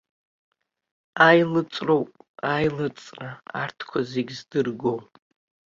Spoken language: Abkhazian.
Аилыҵроуп, аилыҵра арҭқәа зегь здыргоу.